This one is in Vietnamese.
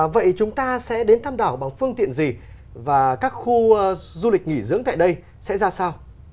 vậy chúng ta sẽ đến tam đảo bằng phương tiện gì và các khu du lịch nghỉ dưỡng tại đây sẽ ra sao